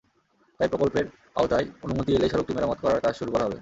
তাই প্রকল্পের আওতায় অনুমতি এলেই সড়কটি মেরামত করার কাজ শুরু করা হবে।